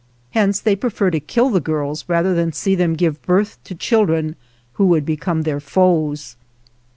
Hence they prefer to kill the girls rather than see them give birth to children who would become their foes.